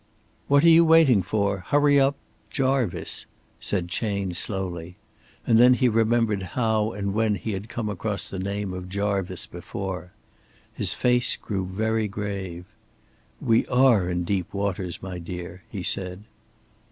"'What are you waiting for? Hurry up. Jarvice,'" said Chayne, slowly, and then he remembered how and when he had come across the name of Jarvice before. His face grew very grave. "We are in deep waters, my dear," he said.